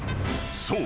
［そう！